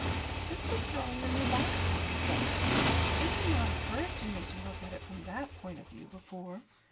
This was throwing a new light upon the subject. It had not occurred to me to look at it from that point of view before.